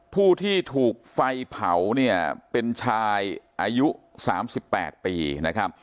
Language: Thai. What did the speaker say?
ผู้ที่ถูกไฟเผาเนี่ยเป็นชายอายุ๓๘ปีนะครับ